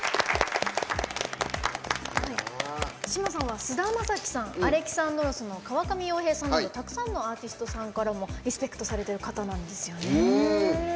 志磨さんは菅田将暉さん［Ａｌｅｘａｎｄｒｏｓ］の川上洋平さんなどたくさんのアーティストさんからもリスペクトされている方なんですよね。